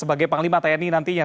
sebagai panglima tni nantinya